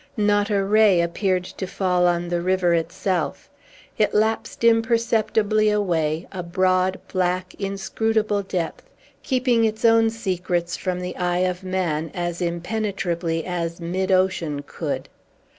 Not a ray appeared to fall on the river itself. It lapsed imperceptibly away, a broad, black, inscrutable depth, keeping its own secrets from the eye of man, as impenetrably as mid ocean could.